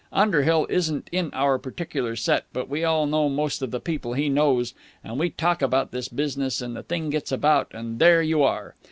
Underhill isn't in our particular set, but we all know most of the people he knows, and we talk about this business, and the thing gets about, and there you are!